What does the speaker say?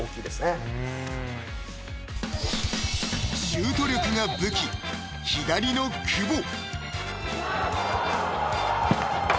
［シュート力が武器左の久保］